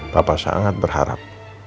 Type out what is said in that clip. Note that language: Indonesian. papa sangat berharap